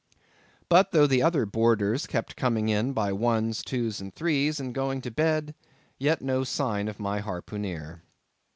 But though the other boarders kept coming in by ones, twos, and threes, and going to bed, yet no sign of my harpooneer.